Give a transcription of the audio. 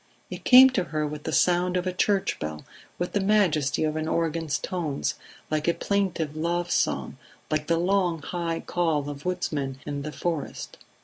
It came to her with the sound of a church bell, with the majesty of an organ's tones, like a plaintive love song, like the long high call of woodsmen in the forest.